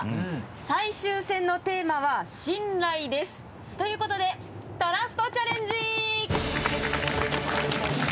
最終戦のテーマは「信頼」です。ということで「トラストチャレンジ」！